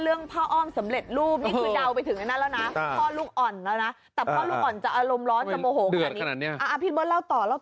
เรื่องผ้าอ้อมสำเร็จรูปนี่คือเดาไปถึงในนั้นแล้วนะ